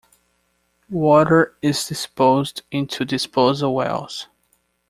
Water is disposed into disposal wells.